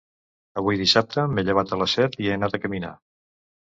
Avui dissabte m'he llevat a les set i he anat a caminar